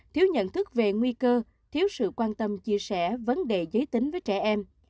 thiếu nhận thức về nguy cơ thiếu sự quan tâm chia sẻ vấn đề giới tính với trẻ em